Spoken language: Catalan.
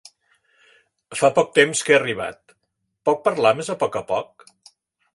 Fa poc temps que he arribat, pot parlar més a poc a poc?